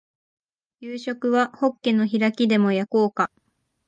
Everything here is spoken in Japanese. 夕食はホッケの開きでも焼こうか